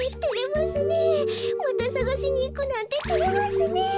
またさがしにいくなんててれますねえ。